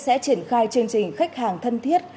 sẽ triển khai chương trình khách hàng thân thiết